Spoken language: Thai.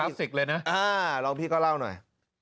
ไปจอดรถที่ตอนนี้เฮ่ยหน่อย